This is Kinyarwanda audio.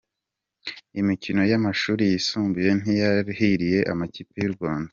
imikino y’amashuri yisumbuye ntiyahiriye Amakipi y’u Rwanda